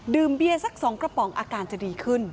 เบียร์สัก๒กระป๋องอาการจะดีขึ้น